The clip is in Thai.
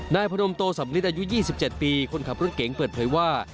นายพนมโตสำลิดอายุ๒๗ปีคนขับรถเก๋งเปิดเผยว่า